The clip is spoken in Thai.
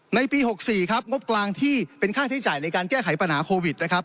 ในปี๖๔ครับงบกลางที่เป็นค่าใช้จ่ายในการแก้ไขปัญหาโควิดนะครับ